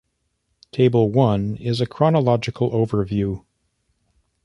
Table I is a chronological overview.